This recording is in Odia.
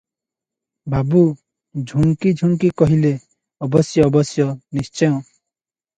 ବାବୁ ଝୁଙ୍କି ଝୁଙ୍କି କହିଲେ, "ଅବଶ୍ୟ, ଅବଶ୍ୟ, ନିଶ୍ଚୟ ।"